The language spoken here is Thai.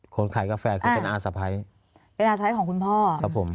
คนขายกาแฟคือเป็นอาสะพ้ายเป็นอาสะพ้ายของคุณพ่อครับผม